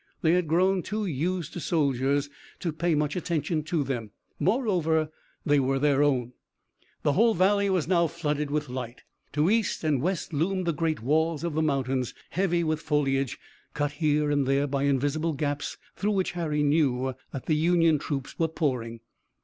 They had grown too used to soldiers to pay much attention to them. Moreover, these were their own. The whole valley was now flooded with light. To east and to west loomed the great walls of the mountains, heavy with foliage, cut here and there by invisible gaps through which Harry knew that the Union troops were pouring.